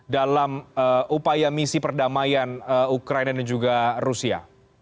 dalam upaya misi perdamaian ukraina dan juga rusia